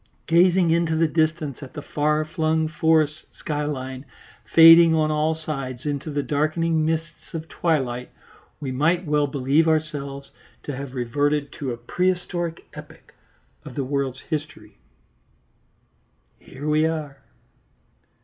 Gazing into the distance at the far flung forest skyline fading on all sides into the darkening mists of twilight, we might well believe ourselves to have reverted to a prehistoric epoch of the world's history. "Here we are."